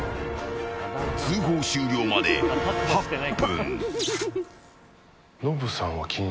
通報終了まで８分。